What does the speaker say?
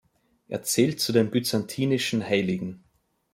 Er zählt zu den byzantinischen Heiligen.